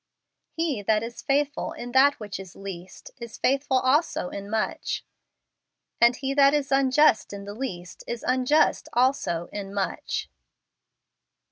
" He that is faithful in that which is least is faithful also in much: and he that is unjust in the least is unjust also in much."